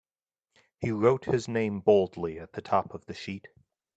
He wrote his name boldly at the top of the sheet.